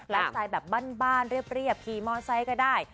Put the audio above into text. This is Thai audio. รักษายแบบบ้านเรียบขี่มอเตอร์ไซค์ก็ได้